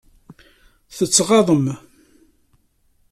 Tettɣaḍem.